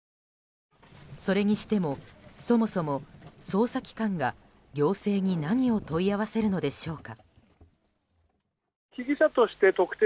それにしてもそもそも捜査機関が行政に何を問い合わせるのでしょうか。